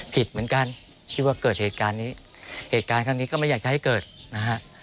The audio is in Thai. ผิดเหมือนกันคิดว่าเกิดเหตุการณ์นี้เหตุการณ์ครั้งนี้ก็ไม่อยากจะให้เกิดนะฮะ